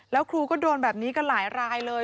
แล้วครูก็โดนแบบนี้กันหลายรายเลย